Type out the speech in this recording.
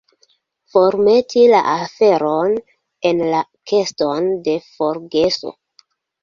Formeti la aferon en la keston de forgeso.